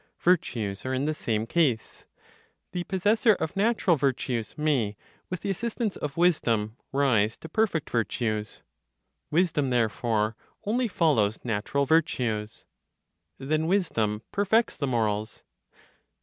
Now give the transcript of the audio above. Virtues are in the same case. The possessor of natural virtues may, with the assistance of wisdom, rise to perfect virtues. Wisdom, therefore, only follows natural virtues. Then wisdom perfects the morals.